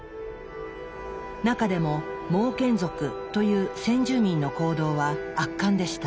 中でもモーケン族という先住民の行動は圧巻でした。